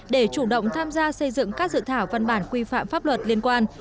để chủ động tham gia xây dựng các dự thảo văn bản quy phạm pháp luật liên quan